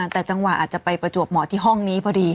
แต่จังหวะอาจจะไปประจวบหมอที่ห้องนี้พอดี